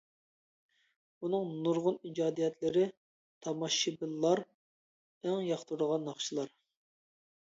ئۇنىڭ نۇرغۇن ئىجادىيەتلىرى تاماشىبىنلار ئەڭ ياقتۇرىدىغان ناخشىلار.